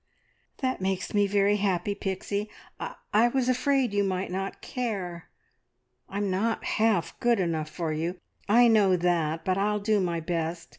"That makes me very happy, Pixie. I I was afraid you might not care. I'm not half good enough for you, I know that, but I'll do my best.